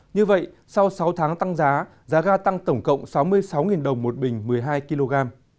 như vậy sau sáu tháng tăng giá giá ga tăng tổng cộng sáu mươi sáu đồng một bình một mươi hai kg